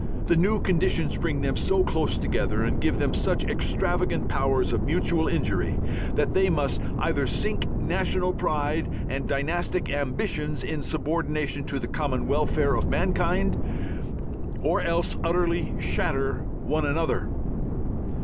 The new conditions bring them so close together and give them such extravagant powers of mutual injury that they must either sink national pride and dynastic ambitions in subordination to the common welfare of mankind or else utterly shatter one another.